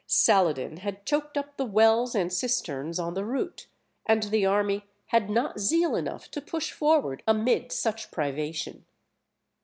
Saladin had choked up the wells and cisterns on the route, and the army had not zeal enough to push forward amid such privation.